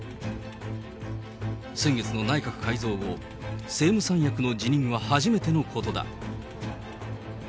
先月の内閣改造後、政務三役の辞任は初めてのことだ。